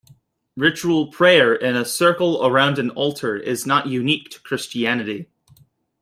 Ritual prayer in a circle around an altar is not unique to Christianity.